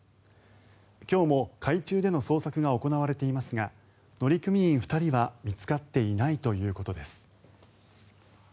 今日も海中での捜索が行われていますが乗組員２人は見つかっていないということです。